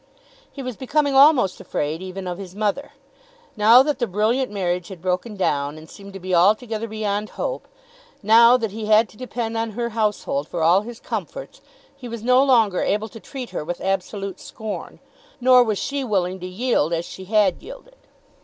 He was becoming almost afraid even of his mother. Now that the brilliant marriage had broken down, and seemed to be altogether beyond hope, now that he had to depend on her household for all his comforts, he was no longer able to treat her with absolute scorn, nor was she willing to yield as she had yielded.